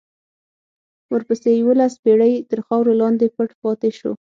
ورپسې یوولس پېړۍ تر خاورو لاندې پټ پاتې شو.